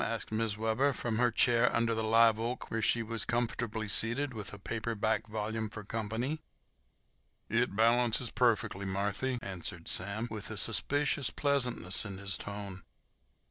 asked Mrs. Webber, from her chair under the live oak, where she was comfortably seated with a paper back volume for company. "It balances perfeckly, Marthy," answered Sam, with a suspicious pleasantness in his tone.